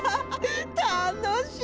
たのし。